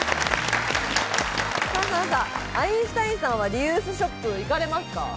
アインシュタインさんはリユースショップ、行かれますか？